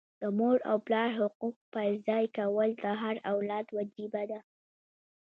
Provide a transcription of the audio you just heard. د مور او پلار حقوق پرځای کول د هر اولاد وجیبه ده.